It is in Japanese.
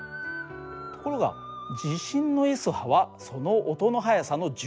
ところが地震のＳ波はその音の速さの１０倍。